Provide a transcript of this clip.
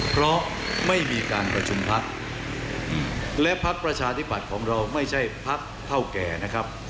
เพราะไม่มีการประชุมพักและพักประชาธิบัติของเราไม่ใช่พักเท่าแก่นะครับ